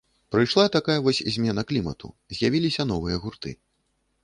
Прыйшла такая вось змена клімату, з'явіліся новыя гурты.